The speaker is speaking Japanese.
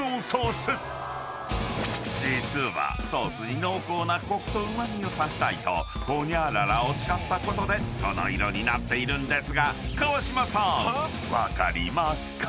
［実はソースに濃厚なコクとうま味を足したいとホニャララを使ったことでこの色になっているんですが川島さん分かりますか？］